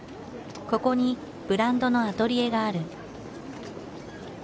ここにブランドのアトリエがある。